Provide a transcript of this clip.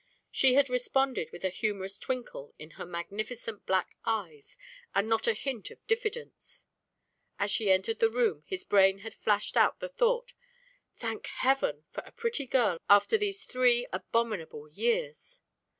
She had responded with a humorous twinkle in her magnificent black eyes and not a hint of diffidence. As she entered the room his brain had flashed out the thought: "Thank heaven for a pretty girl after these three abominable years!"